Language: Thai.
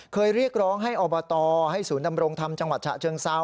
เรียกร้องให้อบตให้ศูนย์ดำรงธรรมจังหวัดฉะเชิงเซา